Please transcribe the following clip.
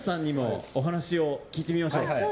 清水さんにもお話を聞いてみましょう。